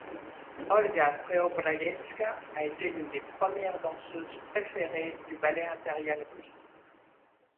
Olga Preobrajenska a été l'une des premières danseuses préférées du ballet impérial russe.